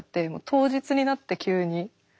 当日になって急に。